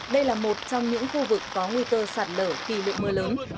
đây là một trong những khu vực có nguy cơ sạt lở khi lượng mưa lớn